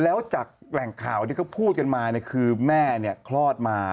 แล้วจากแหล่งข่าวที่เขาพูดกันมาคือแม่เนี่ยคลอดมา